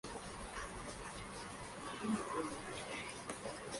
Compartió estudio con Raf.